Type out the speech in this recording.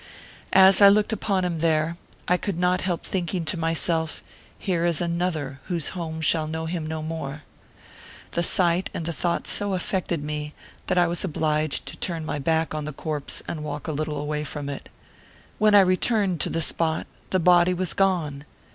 As I looked upon him there, I could not help think ing to myself, " here is another whose home shall know him no more." The sight and the thought so affected me, that I was obliged to turn my back on the corpse and walk a little way from it. When I returned to the spot, the body was gone